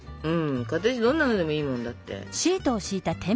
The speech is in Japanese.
形どんなのでもいいもんだって。